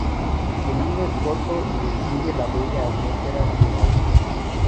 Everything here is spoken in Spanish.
El himno es corto y describe la bella atmósfera de Mauricio.